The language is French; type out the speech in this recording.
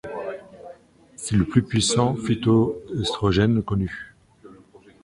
C'est le plus puissant phytoestrogène connu.